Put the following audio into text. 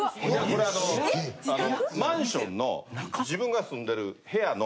これあのマンションの自分が住んでる部屋の。